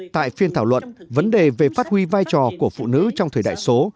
tại phiên thảo luận vấn đề về phát huy vai trò của phụ nữ trong thời đại số